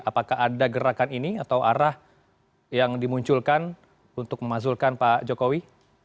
apakah ada gerakan ini atau arah yang dimunculkan untuk memazulkan pak jokowi